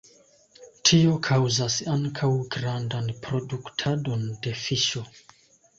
Tio kaŭzas ankaŭ grandan produktadon de fiŝo.